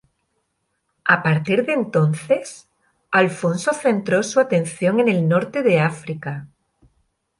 A partir de entonces, Alfonso centró su atención en el norte de África.